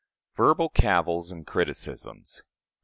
Verbal Cavils and Criticisms.